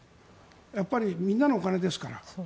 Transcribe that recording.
やっぱりみんなのお金ですから。